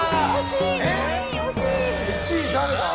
１位誰だ？